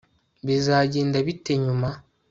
bizagenda bite nyuma